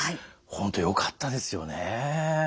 本当よかったですよね。